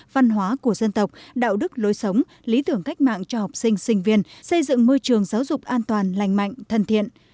văn hóa của dân tộc đạo đức lối sống lý tưởng cách mạng cho học sinh sinh viên xây dựng môi trường giáo dục an toàn lành mạnh thân thiện